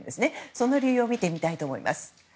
その理由を見てみたいと思います。